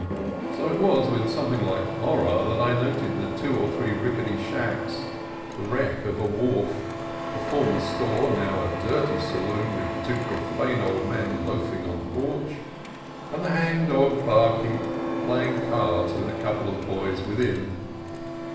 So it was with something like horror that I noted the two or three rickety shacks, the wreck of a wharf, the former store, now a dirty saloon with two pro fane old men loafing on the porch, and the hangdog "barkeep" playing cards with a couple of boys within.